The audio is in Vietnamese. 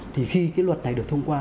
thì khi cái luật này được thông qua